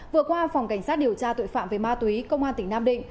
vừa qua phòng cảnh sát điều tra tội phạm về ma túy công an tỉnh nam định